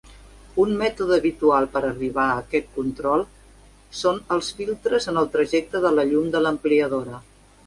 Un mètode habitual per arribar a aquest control són els filtres en el trajecte de la llum de l'ampliadora.